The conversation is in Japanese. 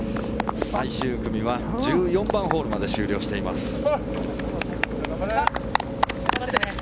最終組は１４番ホールまで終了しています。